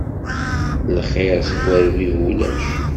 Lxiṛ seg urbib ulac.